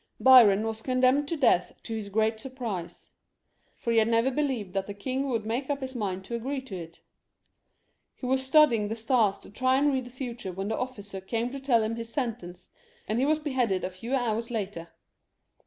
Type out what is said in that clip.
Biron was condemned to death to his great surprise ; for he had never believed that the king would make up his mind to agree to it. He was studjdng the stars to try and read the future when the officer came to tell him his sentence, and he was beheaded a few hours later.